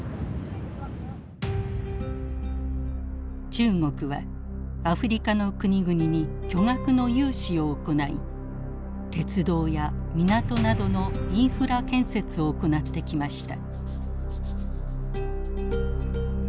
中国はアフリカの国々に巨額の融資を行い鉄道や港などのインフラ建設を行ってきました。